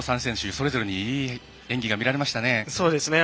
それぞれにいい演技が見られましたね。